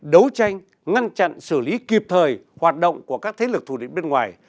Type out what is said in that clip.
đấu tranh ngăn chặn xử lý kịp thời hoạt động của các thế lực thù địch bên ngoài